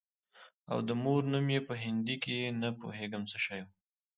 او د مور نوم يې په هندي کښې نه پوهېږم څه شى و.